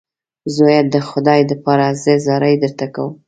زویه د خدای دپاره زه زارۍ درته کوم.